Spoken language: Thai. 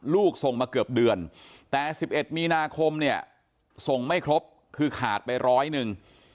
ส่งมาเกือบเดือนแต่๑๑มีนาคมเนี่ยส่งไม่ครบคือขาดไปร้อยหนึ่ง